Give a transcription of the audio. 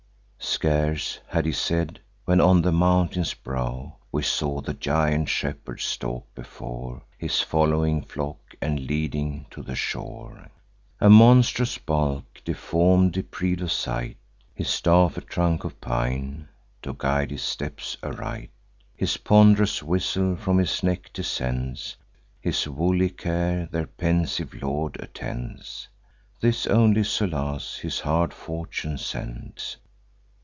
"Scarce had he said, when on the mountain's brow We saw the giant shepherd stalk before His following flock, and leading to the shore: A monstrous bulk, deform'd, depriv'd of sight; His staff a trunk of pine, to guide his steps aright. His pond'rous whistle from his neck descends; His woolly care their pensive lord attends: This only solace his hard fortune sends.